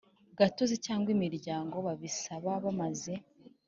Gatozi cyangwa imiryango babisaba bamaze